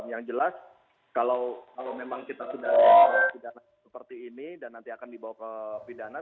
yang jelas kalau memang kita sudah pidana seperti ini dan nanti akan dibawa ke pidana